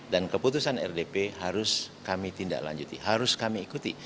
dan keputusan rdp harus kami tindaklanjuti harus kami ikuti